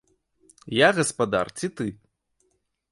Я гаспадар ці ты?